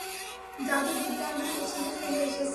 জাদুবিদ্যা আমি পেছনে ফেলে এসেছি।